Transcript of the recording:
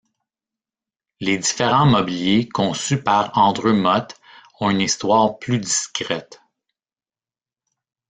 Les différents mobiliers conçus par Andreu-Motte ont une histoire plus discrète.